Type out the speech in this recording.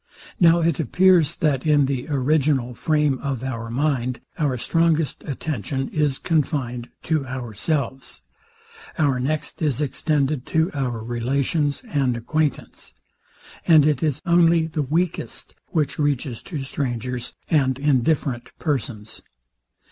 Now it appears, that in the original frame of our mind, our strongest attention is confined to ourselves; our next is extended to our relations and acquaintance; and it is only the weakest which reaches to strangers and indifferent persons.